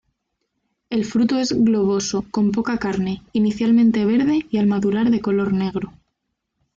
El fruto es globoso, con poca carne, inicialmente verde y al madurar de color negro.